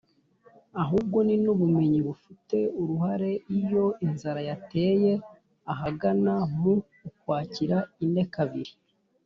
ahubwo ni n'ubumenyi bufite uruharIyo inzara yatangiye ahagana mu Ukwakira ine kabiri